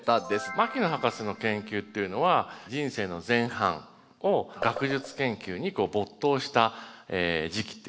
牧野博士の研究っていうのは人生の前半を学術研究に没頭した時期っていうのがあるわけですね。